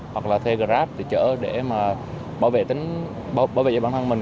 hoặc là thay grab để chở để mà bảo vệ tính bảo vệ cho bản thân mình